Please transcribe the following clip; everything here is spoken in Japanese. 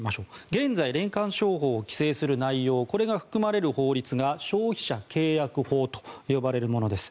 現在、霊感商法を規制する内容が含まれる法律が消費者契約法と呼ばれるものです。